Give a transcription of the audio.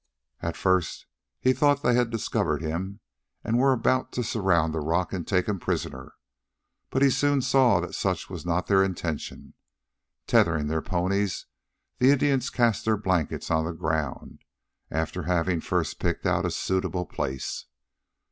At first he thought they had discovered him and were about to surround the rock and take him prisoner. But he soon saw that such was not their intention. Tethering their ponies, the Indians cast their blankets on the ground, after having first picked out a suitable place.